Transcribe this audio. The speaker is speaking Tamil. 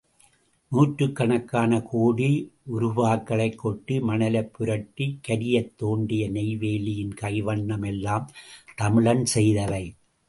நூற்றுக்கணக்கான கோடி உருபாக்களைக் கொட்டி மணலைப் புரட்டிக் கரியைத் தோண்டிய நெய்வேலியின் கைவண்ணமெல்லாம் தமிழன் செய்தவை.